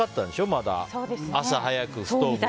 まだ朝早く、ストーブで。